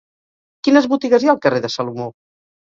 Quines botigues hi ha al carrer de Salomó?